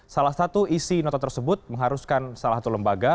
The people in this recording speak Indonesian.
salah satu isi nota tersebut mengharuskan salah satu lembaga